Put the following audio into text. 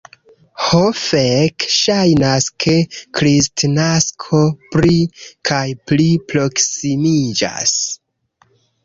Ho fek, ŝajnas ke Kristnasko pli kaj pli proksimiĝas.